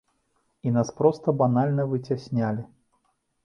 І нас проста банальна выцяснялі.